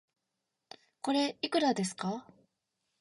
これ、いくらですか